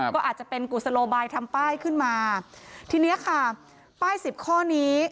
ก็อาจจะเป็นกุศโลบายทำป้ายขึ้นมาทีเนี้ยค่ะป้ายสิบข้อนี้